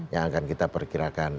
yang akan kita perkirakan